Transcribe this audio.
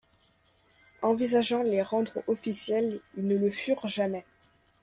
Envisageant les rendre officielles, ils ne le furent jamais.